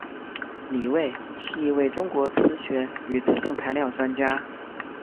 李卫是一位中国磁学与磁性材料专家。